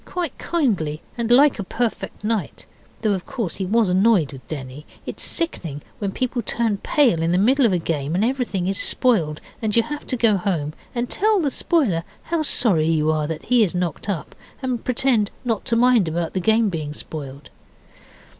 quite kindly and like a perfect knight, though, of course, he was annoyed with Denny. It is sickening when people turn pale in the middle of a game and everything is spoiled, and you have to go home, and tell the spoiler how sorry you are that he is knocked up, and pretend not to mind about the game being spoiled.